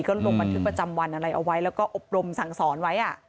ก็ลงบันทึกประจำวันอะไรเอาไว้แล้วก็อบรมสั่งสอนไว้